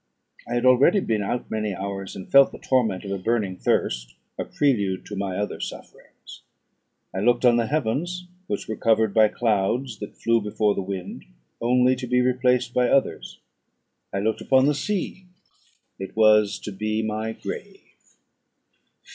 I had already been out many hours, and felt the torment of a burning thirst, a prelude to my other sufferings. I looked on the heavens, which were covered by clouds that flew before the wind, only to be replaced by others: I looked upon the sea, it was to be my grave.